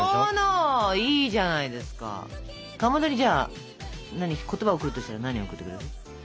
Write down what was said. かまどにじゃあ言葉を贈るとしたら何贈ってくれる？